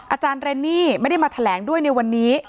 อาจารย์เรนนี่ไม่ได้มาแถลงด้วยในวันนี้